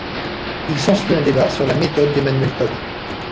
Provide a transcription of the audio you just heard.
Il s’ensuit un débat sur la méthode d’Emmanuel Todd.